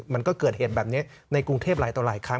มันก็เกิดเหตุแบบนี้ในกรุงเทพหลายต่อหลายครั้ง